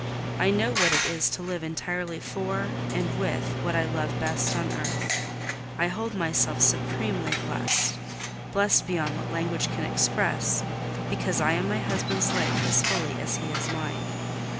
I know what it is to live entirely for and with what I love best on earth. I hold myself supremely blest—blest beyond what language can express; because I am my husband's life as fully as he is mine.